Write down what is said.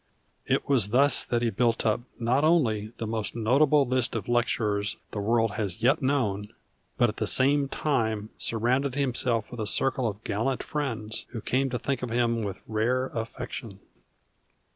It was thus that he built up not only the most notable list of lecturers the world has yet known, but at the same time surrounded himself with a circle of gallant friends, who came to think of him with rare affection.